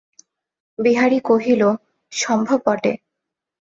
বিহারী কহিল, সম্ভব বটে।